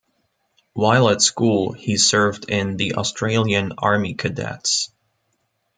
While at school, he served in the Australian Army Cadets.